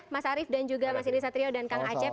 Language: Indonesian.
mas arief dan juga mas henry satrio dan kang acep